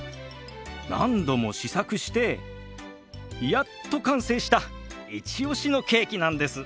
何度も試作してやっと完成したイチオシのケーキなんです。